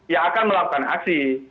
ya akan melakukan aksi